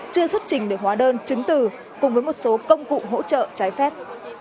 chưa xuất trình được hóa đơn chứng từ cùng với một số công cụ hỗ trợ trái phép